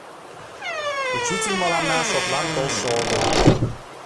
Учитель мыланна шотлан толшо огыл.